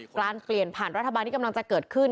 การเปลี่ยนผ่านรัฐบาลที่กำลังจะเกิดขึ้น